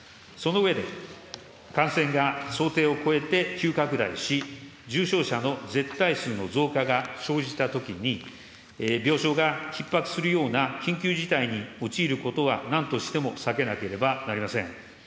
その上で、感染が想定を超えて急拡大し、重症者の絶対数の増加が生じたときに、病床がひっ迫するような緊急事態に陥ることはなんとしても避けなければなりません。